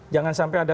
jangan sampai ada